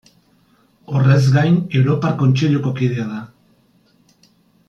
Horrez gain, Europar Kontseiluko kidea da.